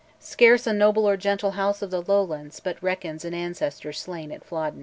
Scarce a noble or gentle house of the Lowlands but reckons an ancestor slain at Flodden.